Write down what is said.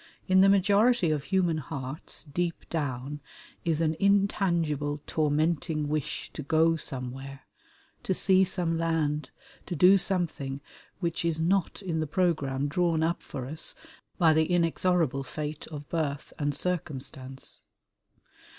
In the majority of human hearts, deep down, is an intangible tormenting wish to go somewhere, to see some land, to do something which is not in the programme drawn up for us by the inexorable fate of birth and circumstance.